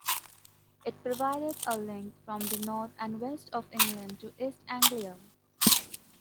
It provided a link from the north and west of England to East Anglia.